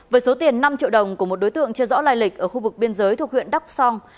với số tiền năm triệu đồng của một đối tượng chưa rõ lai lịch ở khu vực biên giới thuộc huyện đắk song